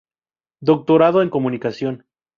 Doctorando en Comunicación.